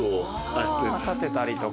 立てたりとか。